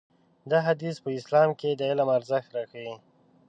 دا حديث په اسلام کې د علم ارزښت راښيي.